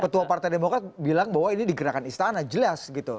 tapi partai demokrasi bilang bahwa ini digerakkan istana jelas gitu